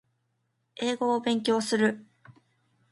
英語を勉強する